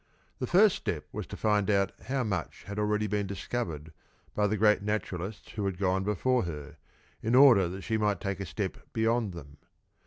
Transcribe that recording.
The first step was to find out how much had already been discovered by the great naturalists who had gone before her, in order that she might take a step beyond them.